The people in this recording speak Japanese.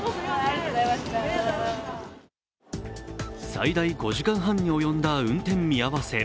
最大５時間半に及んだ運転見合わせ。